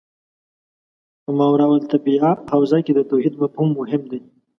په ماورا الطبیعه حوزه کې د توحید مفهوم مهم دی.